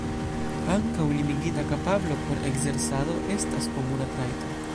Ankaŭ limigita kapablo por ekzercado estas komuna trajto.